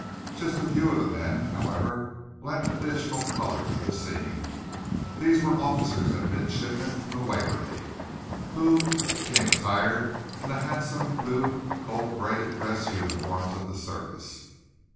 Just a few of the men, however, lent additional color to the scene. These were officers and midshipmen from the "Waverly," who came attired in the handsome blue, gold braided dress uniforms of the service.